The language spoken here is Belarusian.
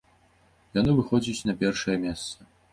Яно выходзіць на першае месца.